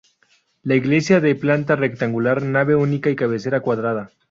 La iglesia de planta rectangular, nave única y cabecera cuadrada.